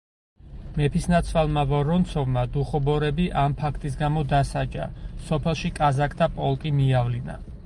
მეფისნაცვალმა ვორონცოვმა დუხობორები ამ ფაქტის გამო დასაჯა, სოფელში კაზაკთა პოლკი მიავლინა.